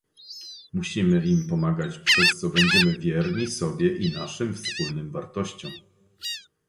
Musimy im pomagać, przez co będziemy wierni sobie i naszym wspólnym wartościom